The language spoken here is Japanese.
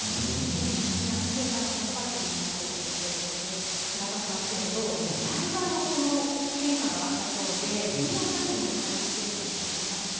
今、新平さんが子育ての話をしてくださっていますけどだいぶ変化があったそうでこんなお写真もお借りしています。